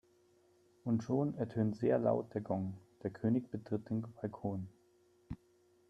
Und schon ertönt sehr laut der Gong, der König betritt den Balkon.